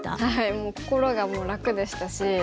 もう心が楽でしたし。